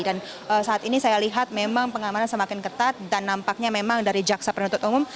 dan saat ini saya lihat memang pengamaran semakin ketat dan nampaknya memang dari jaksa penutup umum